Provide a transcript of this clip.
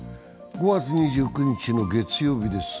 ５月２９日の月曜日です。